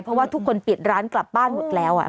เพราะว่าทุกคนปิดร้านกลับบ้านหมดแล้ว